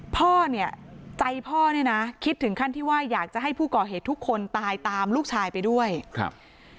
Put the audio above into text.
พ่อเนี่ยใจพ่อเนี่ยนะคิดถึงขั้นที่ว่าอยากจะให้ผู้ก่อเหตุทุกคนตายตามลูกชายไปด้วยครับ